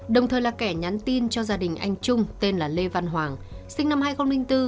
đồng thời là kẻ nhắn tin cho gia đình anh trung tên là lê văn hoàng sinh năm hai nghìn bốn